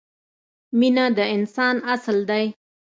مینه د انسان اصل دی.